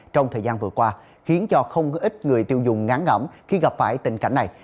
trong thời gian vừa qua khiến cho không ít người tiêu dùng ngán ngẩm khi gặp phải tình cảnh này